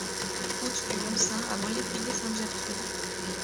Route du Mont Saint à Maulévrier-Sainte-Gertrude